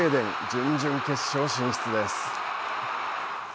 準々決勝進出です。